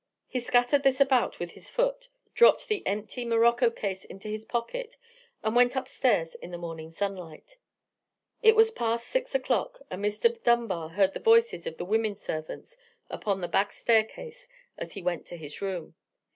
He scattered this about with his foot, dropped the empty morocco case into his pocket, and went up stairs in the morning sunlight. It was past six o'clock, and Mr. Dunbar heard the voices of the women servants upon the back staircase as he went to his room.